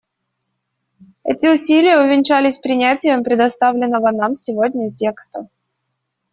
Эти усилия увенчались принятием представленного нам сегодня текста.